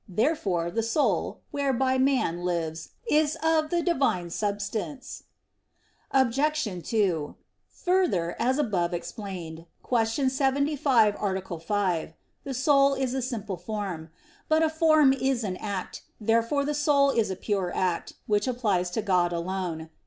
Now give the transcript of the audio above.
Therefore the soul, whereby man lives, is of the Divine substance. Obj. 2: Further, as above explained (Q. 75, A. 5), the soul is a simple form. But a form is an act. Therefore the soul is a pure act; which applies to God alone.